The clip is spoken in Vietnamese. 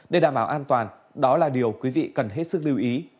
để đảm bảo an toàn đó là điều quý vị cần hết sức lưu ý